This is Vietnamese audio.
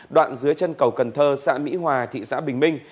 đoạn dưới chân cầu cần thơ xã mỹ hòa thị xã bình minh